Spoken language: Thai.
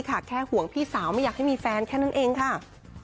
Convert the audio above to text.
แค่ห่วงพี่สาวไม่อยากให้มีแฟนแค่นั้นเองค่ะ